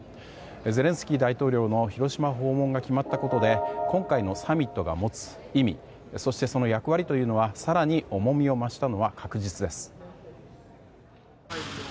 ゼレンスキー大統領の広島訪問が決まったことで今回のサミットが持つ意味そして、その役割というのは更に重みを増したのは確実です。